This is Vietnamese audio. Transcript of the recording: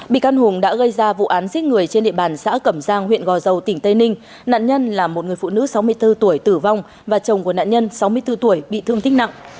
bị can hùng đã gây ra vụ án giết người trên địa bàn xã cẩm giang huyện gò dầu tỉnh tây ninh nạn nhân là một người phụ nữ sáu mươi bốn tuổi tử vong và chồng của nạn nhân sáu mươi bốn tuổi bị thương tích nặng